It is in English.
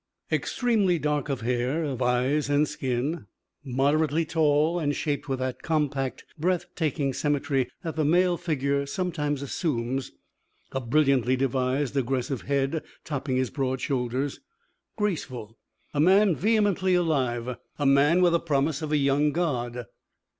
V Extremely dark of hair, of eyes and skin, moderately tall, and shaped with that compact, breath taking symmetry that the male figure sometimes assumes, a brilliantly devised, aggressive head topping his broad shoulders, graceful, a man vehemently alive, a man with the promise of a young God.